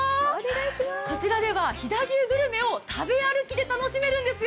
こちらでは飛騨牛グルメを食べ歩きで楽しめるんですよ。